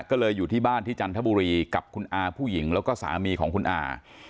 ก็เลยอยู่ที่บ้านที่จันทบุรีกับคุณอาผู้หญิงแล้วก็สามีของคุณอา